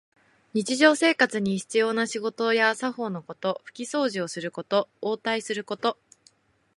日常生活に必要な仕事や作法のこと。ふきそうじをすることと、応対すること。